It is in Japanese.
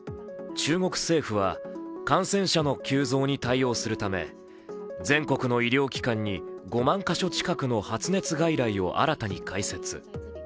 中国政府は、感染者の急増に対応するため全国の医療機関に５万か所近くの発熱外来を新たに開設。